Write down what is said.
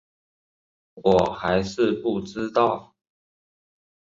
我还是不知道